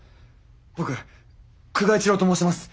僕久我一郎と申します。